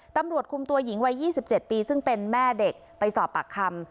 ตำรวจคุมตัวหญิงวัย๒๗ปีซึ่งเป็นแม่เด็กไปสอบปากคำ